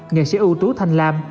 nghệ sĩ ưu tú thanh lam